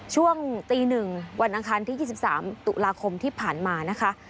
ช่วงตี๑วันอังคารที่๒๓ตุลาคมที่ผ่านมานะคะ